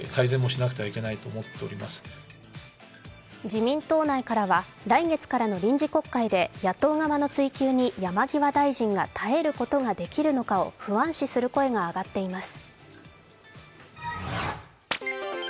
自民党内からは来月からの臨時国会で野党側の追及に山際大臣が耐えることができるのかを不安視する声が上がっています。